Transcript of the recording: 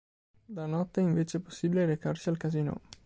La notte è invece possibile recarsi al casinò.